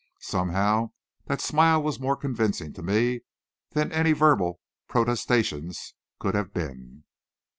Somehow, that smile was more convincing to me than any verbal protestation could have been.